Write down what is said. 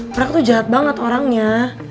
prak tuh jahat banget orangnya